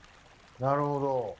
なるほど。